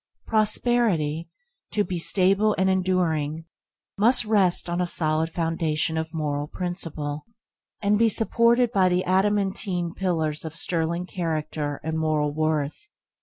Prosperity, to be stable and enduring, must rest on a solid foundation of moral principle, and be supported by the adamantine pillars of sterling character and moral worth.